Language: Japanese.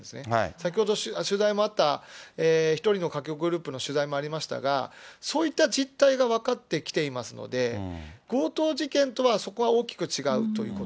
先ほど取材もあった１人のかけ子グループの取材もありましたが、そういった実態が分かってきていますので、強盗事件とはそこは大きく違うということ。